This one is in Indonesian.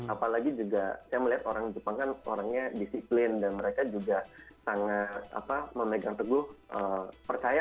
apalagi juga saya melihat orang jepang kan orangnya disiplin dan mereka juga sangat memegang teguh percaya